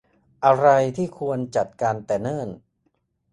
อะไรที่ควรจัดการแต่เนิ่น